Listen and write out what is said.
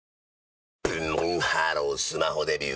ブンブンハロースマホデビュー！